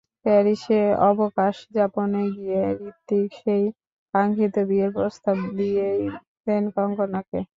প্যারিসে অবকাশযাপনে গিয়ে হৃতিক সেই কাঙ্ক্ষিত বিয়ের প্রস্তাব দিয়েই দেন কঙ্গনাকে।